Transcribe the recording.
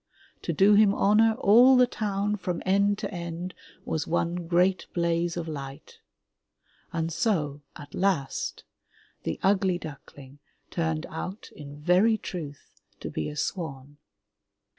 To do him honor all the town, from end to end, was one great blaze of light. And so, at last, the ugly duckling turned out, in very truth, to be a swan.